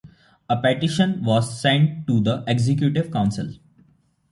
A petition was sent to the Executive Council.